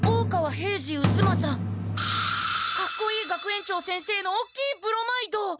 かっこいい学園長先生のおっきいブロマイド！